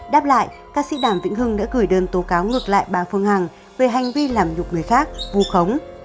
đáp lại ca sĩ đàm vĩnh hưng đã gửi đơn tố cáo ngược lại bà phương hằng về hành vi làm nhục người khác vù khống